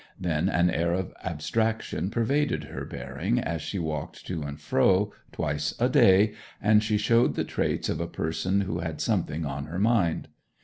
Then an air of abstraction pervaded her bearing as she walked to and fro, twice a day, and she showed the traits of a person who had something on her mind.